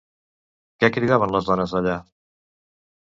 Què cridaven les dones d'allà?